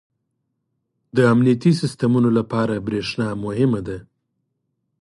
• د امنیتي سیسټمونو لپاره برېښنا مهمه ده.